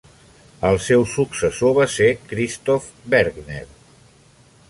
El seu successor va ser Christoph Bergner.